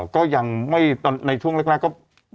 ก็ยังไม่ตอนในช่วงแรกก็